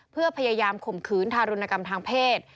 เพื่อพยายามข่มขืนทารุณกรรมทางเพศ